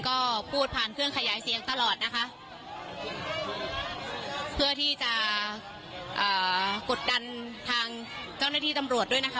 ก็พูดผ่านเครื่องขยายเสียงตลอดนะคะเพื่อที่จะอ่ากดดันทางเจ้าหน้าที่ตำรวจด้วยนะคะ